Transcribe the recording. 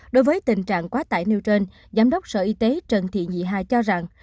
đối với tình trạng quá tải nêu trên giám đốc sở y tế trần thị nhị hài cho rằng